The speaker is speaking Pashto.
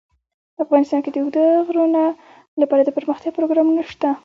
افغانستان کې د اوږده غرونه لپاره دپرمختیا پروګرامونه شته.